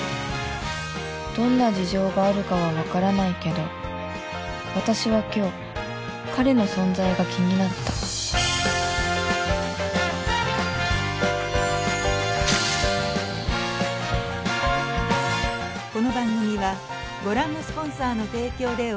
どんな事情があるかは分からないけど私は今日彼の存在が気になった倉科はいちょっと職員室いいか？